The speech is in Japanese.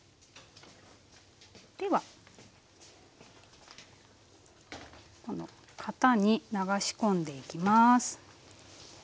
では型に流し込んでいきます。